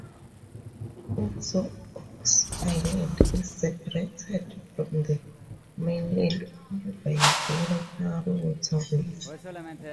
Also Ox Island is separated from the mainland only by a very narrow waterway.